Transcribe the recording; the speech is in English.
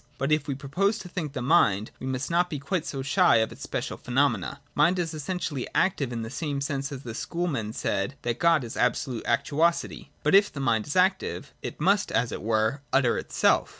But if we propose to think the mind, we must not be quite so shy of its special phenomena. Mind is essentially active in the same sense as the School men said that God is ' absolute actuosity.' But if the mind is active it must as it were utter itself.